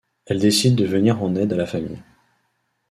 Elle décide de venir en aide à la famille.